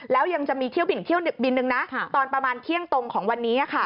แล้วยังจะมีเที่ยวบินเที่ยวบินนึงนะตอนประมาณเที่ยงตรงของวันนี้